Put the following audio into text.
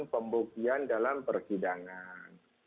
pembuktian dalam perkidangan